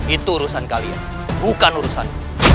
itu urusan kalian bukan urusan